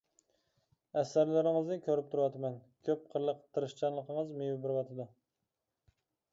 ئەسەرلىرىڭىزنى كۆرۈپ تۇرۇۋاتىمەن، كۆپ قىرلىق تىرىشچانلىقىڭىز مېۋە بېرىۋاتىدۇ.